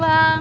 uih si bang